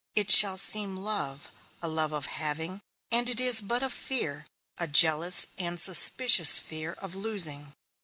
It shall seem love, a love of having; and it is but a fear, a jealous and suspicious fear of losing.